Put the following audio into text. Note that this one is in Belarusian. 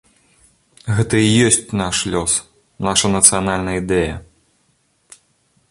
Гэта і ёсць наш лёс, наша нацыянальная ідэя.